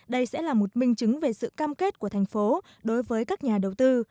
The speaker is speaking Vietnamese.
đây sẽ là một minh chứng về sự cam kết của thành phố đối với các nhà đầu tư